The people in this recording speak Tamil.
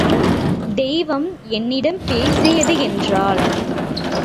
தெய்வம் என்னிடம் பேசியது என்றாள்.